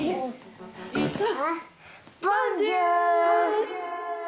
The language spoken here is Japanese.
ボンジュール！